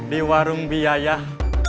di warung biayah